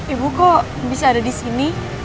ibu kok bisa ada di sini